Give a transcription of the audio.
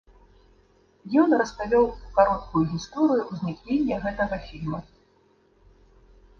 Ён распавёў кароткую гісторыю ўзнікнення гэтага фільма.